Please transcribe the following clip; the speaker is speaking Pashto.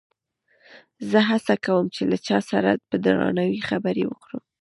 زه هڅه کوم چې له هر چا سره په درناوي خبرې وکړم.